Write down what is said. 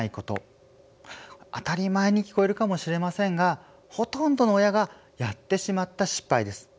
当たり前に聞こえるかもしれませんがほとんどの親がやってしまった失敗です。